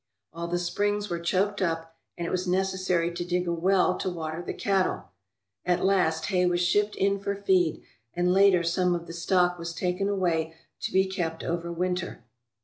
All the springs were choked up and it was necessary to dig a well .to water the cattle. At last hay was shipped in for feed, and later some of the stock was taken away to be kept over winter.